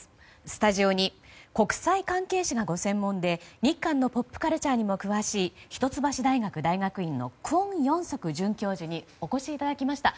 スタジオに国際関係がご専門で日韓のポップカルチャーにも詳しい一橋大学大学院のクォン・ヨンソク准教授にお越しいただきました。